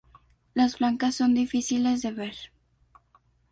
Las blancas son difíciles de ver.